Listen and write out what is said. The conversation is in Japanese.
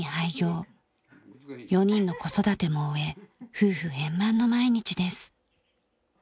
４人の子育ても終え夫婦円満の毎日です。